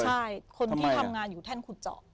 ใช่คนที่ทำงานอยู่แท่นขุดเจาะ